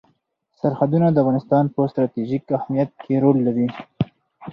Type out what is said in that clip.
سرحدونه د افغانستان په ستراتیژیک اهمیت کې رول لري.